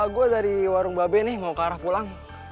gue dari warung babe nih mau ke arah pulang